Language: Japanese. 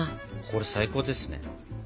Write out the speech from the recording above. これ最高ですね。